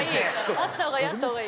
あった方がいいあった方がいい。